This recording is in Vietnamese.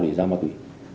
để ra ma túy